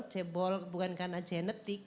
cebol bukan karena genetik